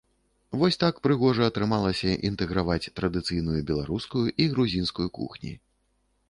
Вось так прыгожа атрымалася інтэграваць традыцыйную беларускую і грузінскую кухні.